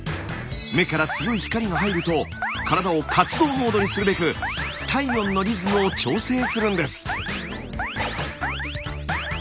目から強い光が入ると体を活動モードにするべく体温のリズムを調整するんです。